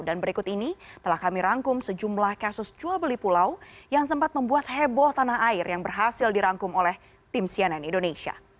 dan berikut ini telah kami rangkum sejumlah kasus jual beli pulau yang sempat membuat heboh tanah air yang berhasil dirangkum oleh tim cnn indonesia